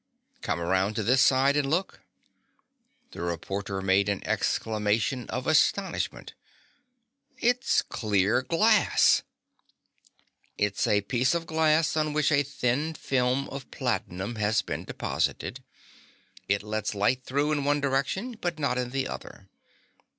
"Come around to this side and look." The reporter made an exclamation of astonishment. "It's clear glass!" "It's a piece of glass on which a thin film of platinum has been deposited. It lets light through in one direction, but not in the other.